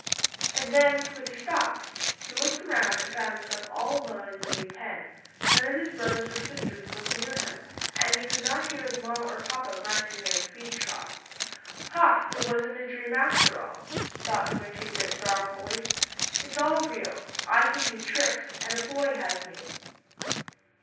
And then Squinty stopped. He looked around and found himself all alone in the new pen. None of his brothers or sisters was near him, and he could not hear his mamma or papa grunting near the feed trough. "Ha! It wasn't a dream, after all," thought Squinty, a bit sorrowfully. "It's all real I can do tricks, and a boy has me."